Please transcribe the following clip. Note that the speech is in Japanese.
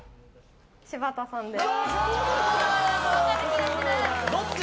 柴田さんです。